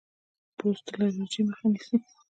پوست الرجي مخه نیسي.